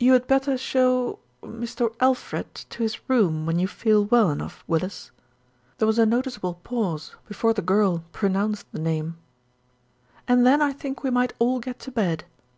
"You had better show Mr. Alfred to his room when you feel well enough, Willis." There was a noticeable pause before the girl pronounced the name, "and then I think we might all get to bed.